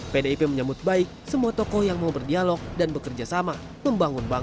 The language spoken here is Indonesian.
pdip menyambut baik semua tokoh yang mau berdialog dan bekerjasama